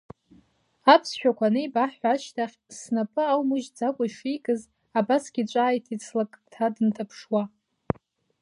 Аԥсшәақәа анеибаҳҳәа ашьҭахь, снапы аумыжьӡакәа ишикыз, абасгьы ҿааиҭит слакҭа дынҭаԥшуа…